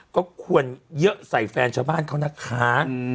ก็ควรเยอะใส่แฟนชาวบ้านเขานะคะ